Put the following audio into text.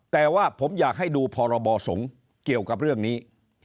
แต่ว่าผมอยากให้ดูพรบสงฆ์เกี่ยวกับเรื่องนี้